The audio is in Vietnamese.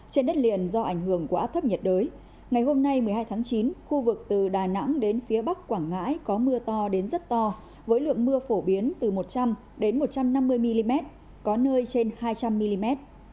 trên đất liền do ảnh hưởng của áp thấp nhiệt đới ngày hôm nay một mươi hai tháng chín khu vực từ đà nẵng đến phía bắc quảng ngãi có mưa to đến rất to với lượng mưa phổ biến từ một trăm linh đến một trăm linh km